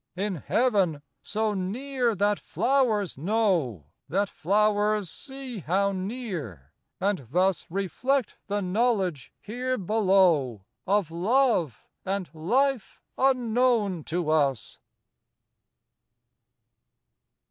In Heaven! so near that flowers know! That flowers see how near! and thus Reflect the knowledge here below Of love and life unknown to us.